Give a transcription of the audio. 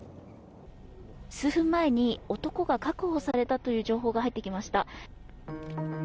数分前に男が確保されたという情報が入ってきました。